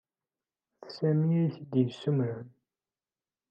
D Sami ay t-id-yessumren.